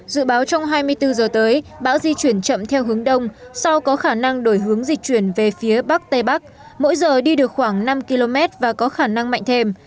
dự báo trong hai mươi bốn giờ tới bão di chuyển chậm theo hướng đông sau có khả năng đổi hướng di chuyển về phía bắc tây bắc mỗi giờ đi được khoảng năm km và có khả năng mạnh thêm